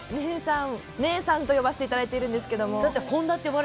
姉さんと呼ばせていただいてるんですけども。